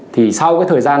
thì sau cái thời gian